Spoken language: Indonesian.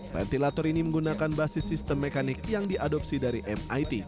ventilator ini menggunakan basis sistem mekanik yang diadopsi dari mit